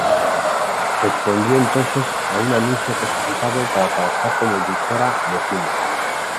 Respondió entonces a un anuncio clasificado para trabajar como editora de cine.